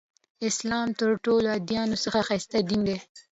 اسلام تر ټولو ادیانو څخه ښایسته دین دی.